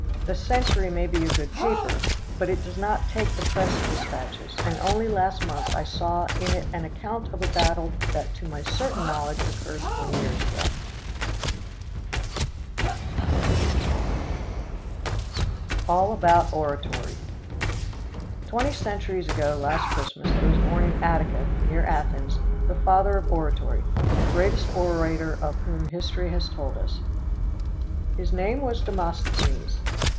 The Century may be a good paper, but it does not take the press dispatches, and only last month I saw in it an account of a battle that to my certain knowledge occurred twenty years ago. All About Oratory. Twenty centuries ago last Christmas there was born in Attica, near Athens, the father of oratory, the greatest orator of whom history has told us. His name was Demosthenes.